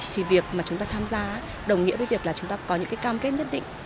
thì việc mà chúng ta tham gia đồng nghĩa với việc là chúng ta có những cái cam kết nhất định